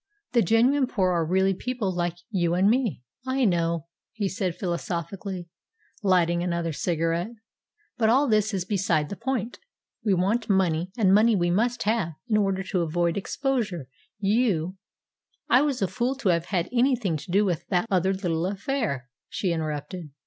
The genuine poor are really people like you and me." "I know," he said philosophically, lighting another cigarette. "But all this is beside the point. We want money, and money we must have in order to avoid exposure. You " "I was a fool to have had anything to do with that other little affair," she interrupted.